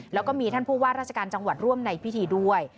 แล้วก็มีท่านผู้ว่าราชการจังหวัดร่วมในพิธีด้วย